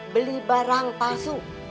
beli barang pasu